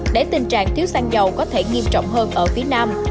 để tình trạng thiếu xăng dầu có thể nghiêm trọng hơn ở phía nam